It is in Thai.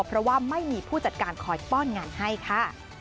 เพราะว่าไม่มีผู้จัดการคอยป้อนงานให้ค่ะ